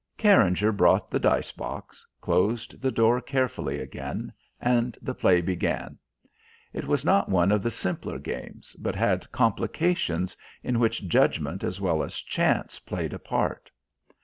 Carringer brought the dice box, closed the door carefully again, and the play began. It was not one of the simpler games, but had complications in which judgment as well as chance played a part.